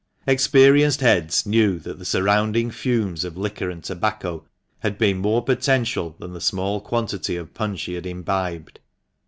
Experienced heads knew that the surrounding fumes of liquor and tobacco had been more potential than the small quantity of punch he had imbibed.